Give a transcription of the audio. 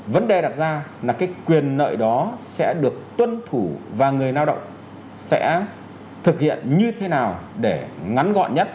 vấn đề đặt ra là cái quyền nợ đó sẽ được tuân thủ và người lao động sẽ thực hiện như thế nào để ngắn gọn nhất